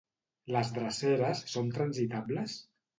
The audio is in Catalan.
Les dreceres són transitables?